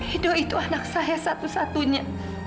hidup itu anak saya satu satunya